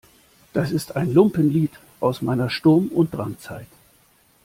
Das ist ein Lumpenlied aus meiner Sturm- und Drangzeit.